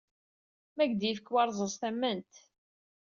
Ma ad ak-d-yefk warẓez tamment.